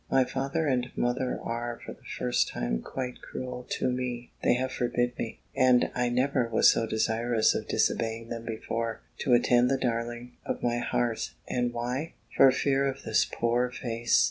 My father and mother are, for the first time, quite cruel to me; they have forbid me, and I never was so desirous of disobeying them before, to attend the darling of my heart: and why? For fear of this poor face!